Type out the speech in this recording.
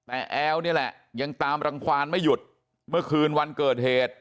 แต่แอลนี่แหละยังตามรังความไม่หยุดเมื่อคืนวันเกิดเหตุ